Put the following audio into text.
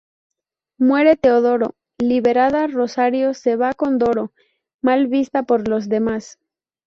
Muere Teodoro; liberada, Rosario se va con Doro, mal vista por los demás.